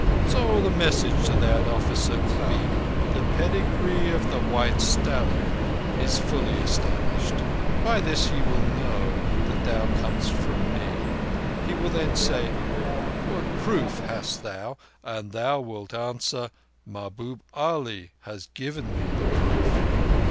"So the message to that officer will be: 'The pedigree of the white stallion is fully established.' By this will he know that thou comest from me. He will then say 'What proof hast thou?' and thou wilt answer: 'Mahbub Ali has given me the proof.